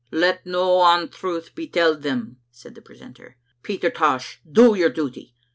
"" Let no ontruth be telled them," said the precentor. "Peter Tosh, do your duty.